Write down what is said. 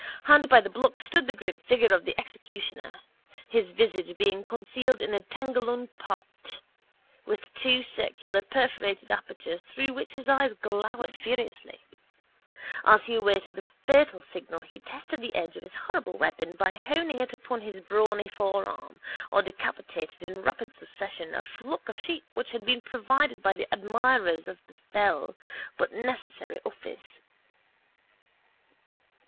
Hard by the block stood the grim figure of the executioner, his visage being concealed in a tengallon pot with two circular perforated apertures through which his eyes glowered furiously. As he awaited the fatal signal he tested the edge of his horrible weapon by honing it upon his brawny forearm or decapitated in rapid succession a flock of sheep which had been provided by the admirers of his fell but necessary office.